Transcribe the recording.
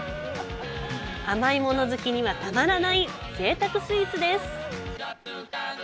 甘いもの好きにはたまらないぜいたくスイーツです。